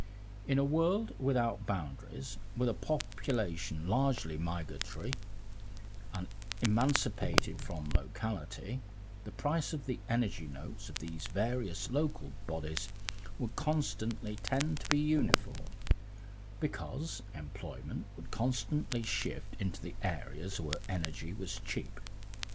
In a world without boundaries, with a population largely migratory and emancipated from locality, the price of the energy notes of these various local bodies would constantly tend to be uniform, because employment would constantly shift into the areas where energy was cheap.